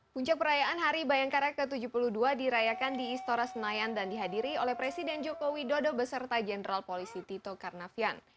puncak perayaan hari bayangkara ke tujuh puluh dua dirayakan di istora senayan dan dihadiri oleh presiden joko widodo beserta jenderal polisi tito karnavian